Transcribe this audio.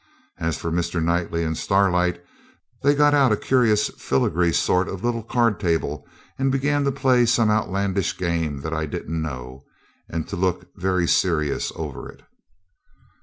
As for Mr. Knightley and Starlight, they got out a curious filigree sort of a little card table and began to play some outlandish game that I didn't know, and to look very serious over it.